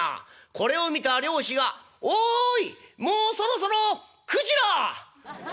これを見た漁師が『おいもうそろそろくじら！」。